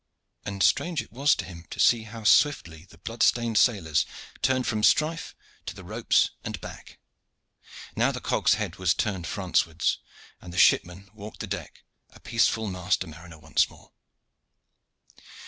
and strange it was to him to see how swiftly the blood stained sailors turned from the strife to the ropes and back. Now the cog's head was turned Francewards, and the shipman walked the deck, a peaceful master mariner once more.